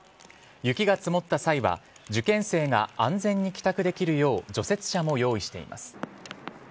雪が積もった際は受験生が安全に帰宅できるよう除雪車も用意しています。